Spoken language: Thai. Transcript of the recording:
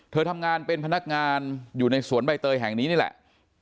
ทำงานเป็นพนักงานอยู่ในสวนใบเตยแห่งนี้นี่แหละ